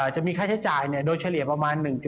จะมีค่าใช้จ่ายโดยเฉลี่ยประมาณ๑๗